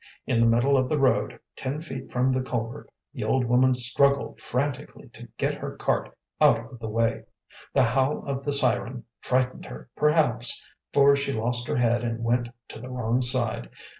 In the middle of the road, ten feet from the culvert, the old woman struggled frantically to get her cart out of the way. The howl of the siren frightened her perhaps, for she lost her head and went to the wrong side.